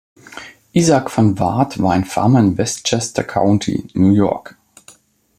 Isaac Van Wart war ein Farmer in Westchester County, New York.